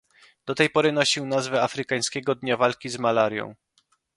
Do tej pory nosił nazwę Afrykańskiego Dnia Walki z Malarią